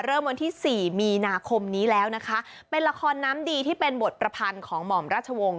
วันที่สี่มีนาคมนี้แล้วนะคะเป็นละครน้ำดีที่เป็นบทประพันธ์ของหม่อมราชวงศ์